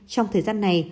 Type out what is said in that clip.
trong thời gian này